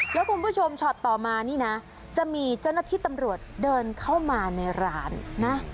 แล้วคุณผู้ชมช็อตต่อมานี่นะจะมีเจ้าหน้าที่ตำรวจเดินเข้ามาในร้านนะ